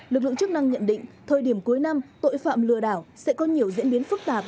lực lượng chức năng nhận định thời điểm cuối năm tội phạm lừa đảo sẽ có nhiều diễn biến phức tạp